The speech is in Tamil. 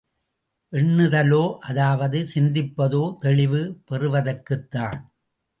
எண்ணுதலோ அதாவது சிந்திப்பதோ தெளிவு பெறுவதற்குத்தான்.